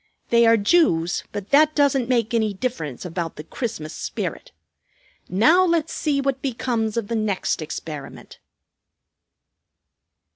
They are Jews; but that doesn't make any difference about the Christmas spirit. Now let's see what becomes of the next experiment."